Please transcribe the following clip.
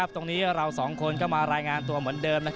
ตรงนี้เราสองคนก็มารายงานตัวเหมือนเดิม